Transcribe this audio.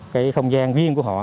cái không gian duyên của họ